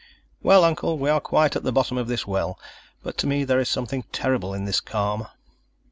"Well, Uncle, we are quite at the bottom of this well but to me there is something terrible in this calm."